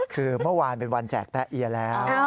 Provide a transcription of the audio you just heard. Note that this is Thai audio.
คือเมื่อวานเป็นวันแจกแต๊ะเอียแล้ว